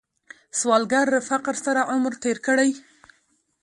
سوالګر له فقر سره عمر تیر کړی